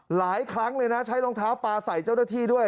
หลายครั้งเลยนะใช้รองเท้าปลาใส่เจ้าหน้าที่ด้วย